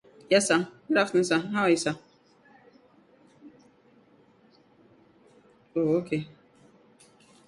Secondly, the pedagogue invests ample time in preparing lessons and teaching materials.